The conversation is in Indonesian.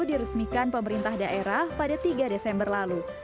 diresmikan pemerintah daerah pada tiga desember lalu